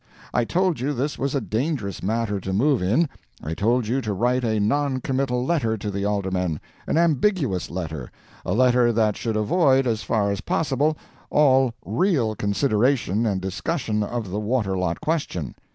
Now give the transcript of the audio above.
I told you this was a dangerous matter to move in. I told you to write a non committal letter to the aldermen an ambiguous letter a letter that should avoid, as far as possible, all real consideration and discussion of the water lot question.